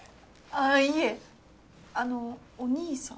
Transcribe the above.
あぁいえあのお兄さん？